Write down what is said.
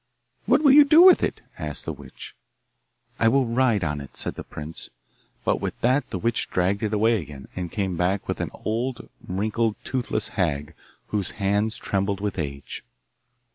'What will you do with it?' asked the witch. 'I will ride on it,' said the prince; but with that the witch dragged it away again, and came back with an old, wrinkled, toothless hag, whose hands trembled with age.